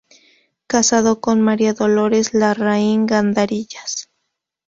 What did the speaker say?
Casado con "María Dolores Larraín Gandarillas".